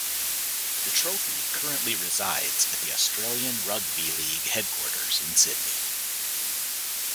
The trophy currently resides at the Australian Rugby League headquarters in Sydney.